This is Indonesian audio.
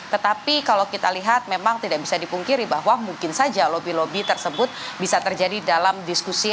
tetapi kalau kita lihat memang tidak bisa dipungkiri bahwa mungkin saja lobby lobby tersebut bisa terjadi dalam diskusi